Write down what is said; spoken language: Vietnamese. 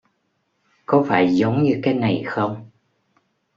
Có phải giống như cái này không